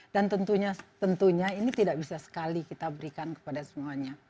dan tentunya ini tidak bisa sekali kita berikan kepada semuanya